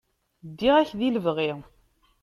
Ddiɣ-ak di lebɣi.